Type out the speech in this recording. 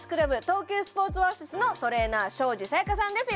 東急スポーツオアシスのトレーナー庄司沙弥香さんです